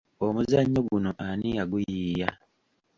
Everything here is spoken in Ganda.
Omuzannyo guno ani yaguyiiya?